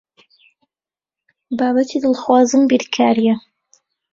بابەتی دڵخوازم بیرکارییە.